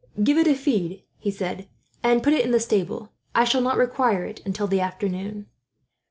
"Give it a feed," he said, "and put it in the stable. I shall not require it until the afternoon."